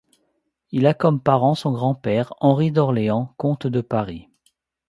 Il a comme parrain son grand-père, Henri d'Orléans, comte de Paris.